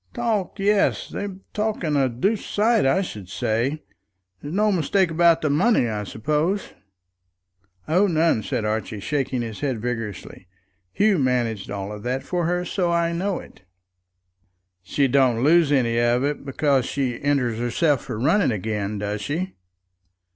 "Talk, yes; they're talking a doosed sight, I should say. There's no mistake about the money, I suppose?" "Oh, none," said Archie, shaking his head vigorously. "Hugh managed all that for her, so I know it." "She don't lose any of it because she enters herself for running again, does she?"